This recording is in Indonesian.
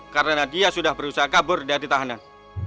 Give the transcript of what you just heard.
karena dia sudah berusaha kabur dari tahanan